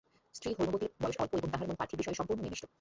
স্ত্রী হৈমবতীর বয়স অল্প এবং তাহার মন পার্থিব বিষয়ে সম্পূর্ণ নিবিষ্ট।